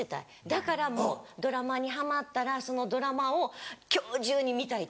だからもうドラマにハマったらそのドラマを今日中に見たいとか。